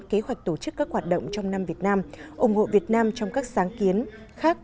kế hoạch tổ chức các hoạt động trong năm việt nam ủng hộ việt nam trong các sáng kiến khác